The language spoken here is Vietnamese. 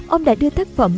ông đã đưa thác phẩm